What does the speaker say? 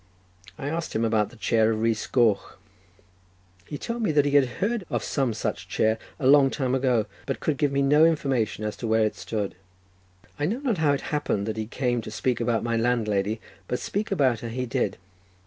I asked him about the chair of Rhys Goch. He told me that he had heard of some such chair a long time ago, but could give me no information as to where it stood. I know not how it happened that he came to speak about my landlady, but speak about her he did.